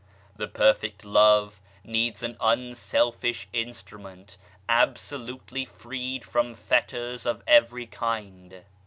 The Perfect Love needs an unselfish instrument, absolutely freed from fetters of every kind.